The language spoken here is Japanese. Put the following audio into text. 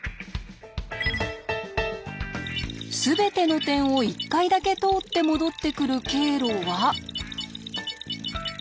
すべての点を１回だけ通って戻ってくる経路は。